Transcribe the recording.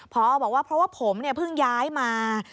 พอบอกว่าเพราะว่าผมเพิ่งย้ายมา